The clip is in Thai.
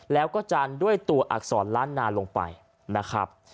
แล้วก็จานด้วยตัวอักษรล้านนาลงไปนะครับ